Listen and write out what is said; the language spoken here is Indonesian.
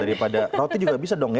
daripada roti juga bisa dong ya